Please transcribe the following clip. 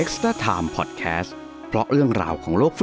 สวัสดีครับผม